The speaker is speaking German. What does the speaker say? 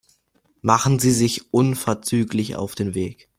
Machen Sie sich unverzüglich auf den Weg.